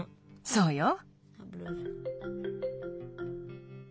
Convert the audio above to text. そうよ。